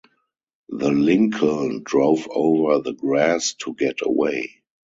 The Lincoln drove over the grass to get away.